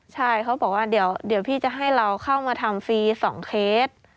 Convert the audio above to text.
ใช่เขาบอกว่าเดี๋ยวพี่จะให้เราเข้ามาทำฟรี๒เคส